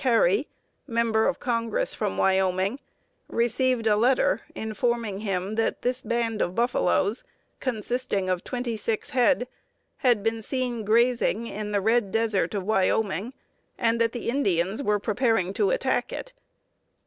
Carey, member of Congress from Wyoming, received a letter informing him that this band of buffaloes, consisting of twenty six head, had been seen grazing in the Red Desert of Wyoming, and that the Indians were preparing to attack it.